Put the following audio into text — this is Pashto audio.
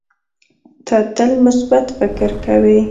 ته تل مثبت فکر کوې.